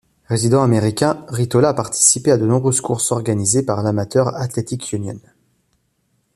Résident américain, Ritola a participé à de nombreuses courses organisées par l'Amateur Athletic Union.